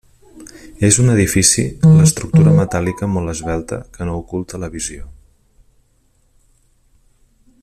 És un edifici l'estructura metàl·lica molt esvelta que no oculta la visió.